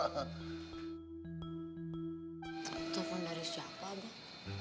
telepon dari siapa dong